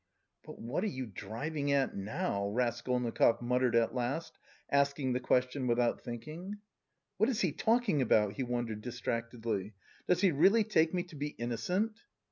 "But what are you driving at now?" Raskolnikov muttered at last, asking the question without thinking. "What is he talking about?" he wondered distractedly, "does he really take me to be innocent?"